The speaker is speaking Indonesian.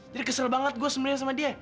jadi kesel banget gue sebenarnya sama dia